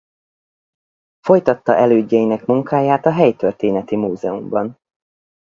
Folytatta elődjeinek munkáját a helytörténeti múzeumban.